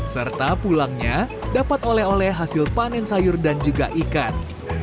serta pulangnya dapat oleh oleh hasil panen sayur dan juga ikan